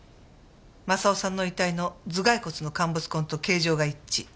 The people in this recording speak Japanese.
正雄さんの遺体の頭蓋骨の陥没痕と形状が一致。